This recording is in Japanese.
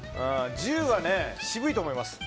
１０は渋いと思います。